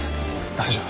大丈夫。